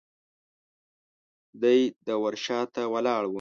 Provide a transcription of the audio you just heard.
دی د ور شاته ولاړ و.